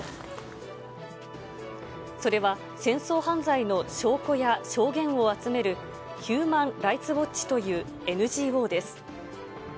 それは戦争犯罪の証拠や証言を集める、ヒューマン・ライツ・ウォッチというＮＧＯです。